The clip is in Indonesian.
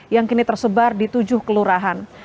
yang kini tersebar di tujuh kelurahan